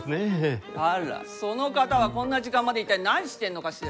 あらその方はこんな時間まで一体何してんのかしら。